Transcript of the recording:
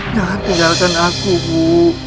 jangan tinggalkan aku bu